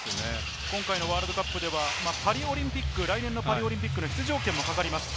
今回のワールドカップではパリオリンピック、来年のパリオリンピックの出場権もかかります。